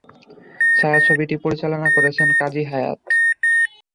ছায়াছবিটি পরিচালনা করেছেন কাজী হায়াৎ।